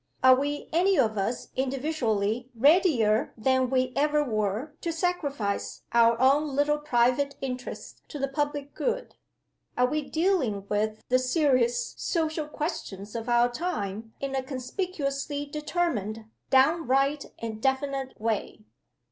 Are we any of us individually readier than we ever were to sacrifice our own little private interests to the public good? Are we dealing with the serious social questions of our time in a conspicuously determined, downright, and definite way?